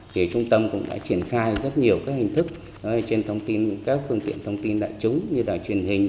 trung tâm cũng đã triển khai rất nhiều các hình thức trên các phương tiện thông tin đại chúng như là truyền hình